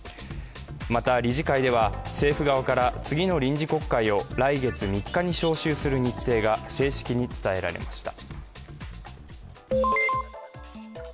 また理事会では政府側から次の臨時国会を来月３日に召集する日程が正式に伝えられました。